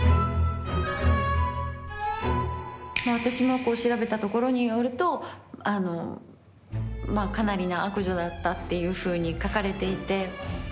私も調べたところによるとかなりの悪女だったっていうふうに書かれていて。